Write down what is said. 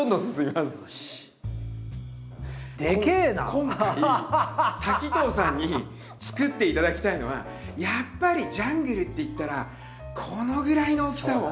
今回滝藤さんにつくって頂きたいのはやっぱりジャングルっていったらこのぐらいの大きさを。